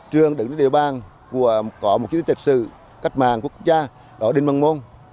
trường đứng trên địa bàn có một chi tiết trật sự cách mạng quốc gia ở đình măng môn